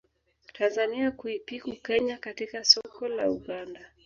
Tanzania kuipiku Kenya katika soko la Uganda